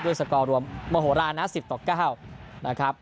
ด้วยสกอรวมมโมโหลาณ๑๐๙นะครับ